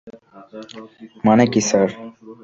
মানে কী, স্যার?